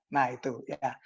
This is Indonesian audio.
nah itu ya